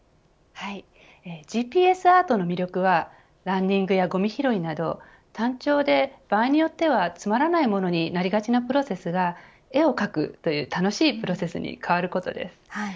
アートの魅力はランニングやごみ拾いなど単調で場合によってはつまらないものになりがちなプロセスが絵を描くという楽しいプロセスに変わることです。